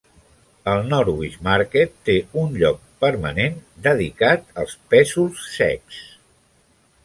El Norwich Market té un lloc permanent dedicat als pèsols secs.